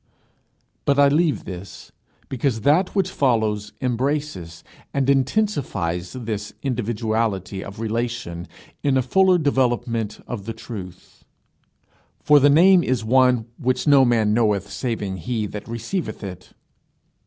But I leave this, because that which follows embraces and intensifies this individuality of relation in a fuller development of the truth. For the name is one "which no man knoweth saving he that receiveth it."